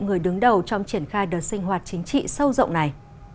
người đứng đầu trong triển khai đợt sinh hoạt chính trị sâu rộng này